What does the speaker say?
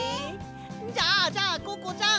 じゃあじゃあココちゃん！